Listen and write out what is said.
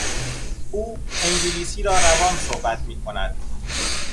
او انگلیسی را روان صبحت میکند.